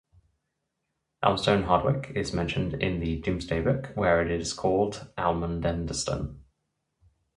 Elmstone-Hardwicke is mentioned in the Domesday Book, where it is called Almundeston.